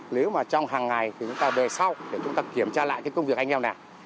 nếu mà trong hàng ngày chúng ta về sau để chúng ta kiểm tra lại công việc anh em nào